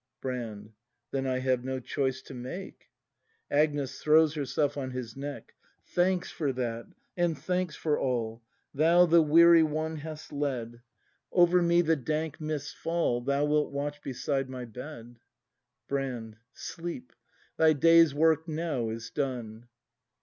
Brand. Then I have no choice to make. Agnes. [Throivs herself on his neck.] Thanks for that, and thanks for all! Thou the weary one hast led; 212 BRAND [act iv Over me the dank mists fall, Thou wilt watch beside my bed. Brand. Sleep! thy day's work now is done.